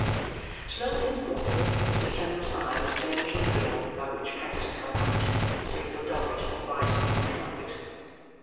Slowly and thoughtfully, Mrs Clennam's eyes turned from the door by which Pancks had gone out, to Little Dorrit, rising from the carpet.